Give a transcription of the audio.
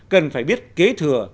cần phải biết kế thừa